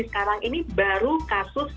sekarang ini baru kasus